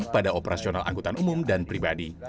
pada operasional angkutan umum dan pribadi